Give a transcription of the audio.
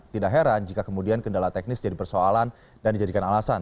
tidak heran jika kemudian kendala teknis jadi persoalan dan dijadikan alasan